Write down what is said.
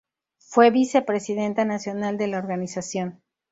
Fue vicepresidenta nacional de la organización.